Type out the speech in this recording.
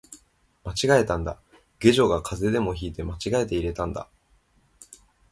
間違えたんだ、下女が風邪でも引いて間違えて入れたんだ